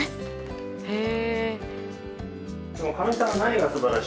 へえ。